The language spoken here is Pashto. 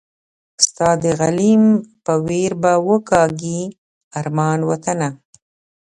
ستا د غلیم په ویر به وکاږي ارمان وطنه